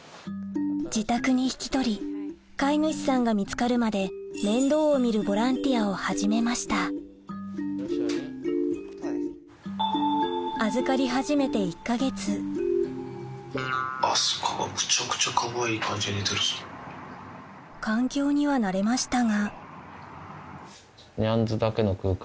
自宅に引き取り飼い主さんが見つかるまで面倒を見るボランティアを始めました環境には慣れましたがニャンズだけの空間。